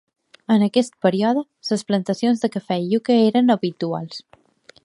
En aquest període, les plantacions de cafè i iuca eren habituals.